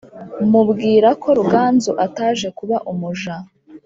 mubwira ko ruganzu ataje kuba umuja